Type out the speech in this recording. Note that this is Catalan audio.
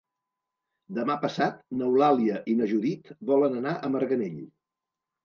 Demà passat n'Eulàlia i na Judit volen anar a Marganell.